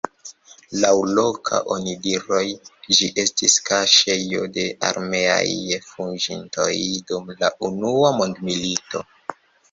Laŭ loka onidiroj ĝi estis kaŝejo de armeaj fuĝintoj dum la unua mondmilito.